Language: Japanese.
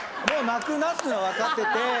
もう泣くなっつうの分かってて。